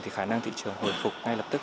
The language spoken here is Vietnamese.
thì khả năng thị trường hồi phục ngay lập tức